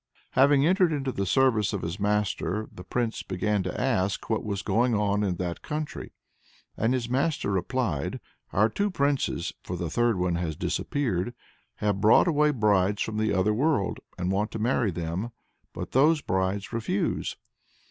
Having entered into the service of this master, the Prince began to ask what was going on in that country. And his master replied: "Our two princes for the third one has disappeared have brought away brides from the other world, and want to marry them, but those brides refuse.